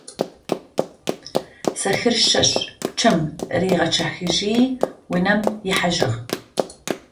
Сэхыр шэщ пчъэм ригъэчъэхыжьи унэм ихьажьыгъ.